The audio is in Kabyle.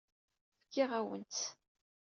Fkiɣ-awen-tt.